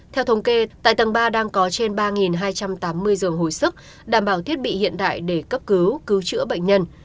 theo thống kê tại tầng ba đang có trên ba hai trăm tám mươi giường hồi sức đảm bảo thiết bị hiện đại để cấp cứu cứu chữa bệnh nhân